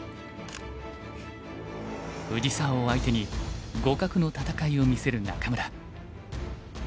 藤沢を相手に互角の戦いを見せる仲邑。